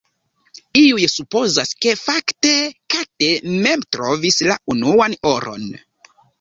Iuj supozas, ke fakte Kate mem trovis la unuan oron.